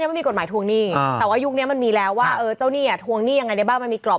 ผมก็ว่าพี่แสก